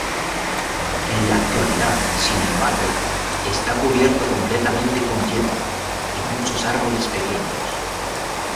En la actualidad, sin embargo, está cubierto completamente con hierba, y muchos árboles pequeños.